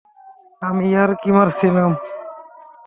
আমি ইয়ার্কি মারছিলাম।